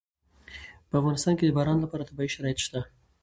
په افغانستان کې د باران لپاره طبیعي شرایط شته.